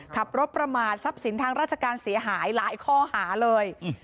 ขับรถประมาททรัพย์สินทางราชการเสียหายหลายข้อหาเลย